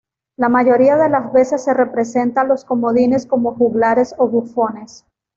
La mayoría de las veces se representa a los comodines como juglares o bufones.